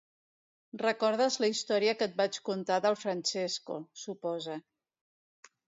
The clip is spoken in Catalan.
Recordes la història que et vaig contar del Francesco, supose.